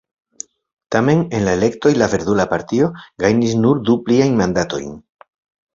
Tamen en la elektoj la Verdula Partio gajnis nur du pliajn mandatojn.